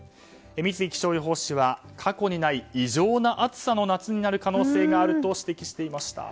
三井気象予報士は過去にない異常な暑さの夏になる可能性があると指摘していました。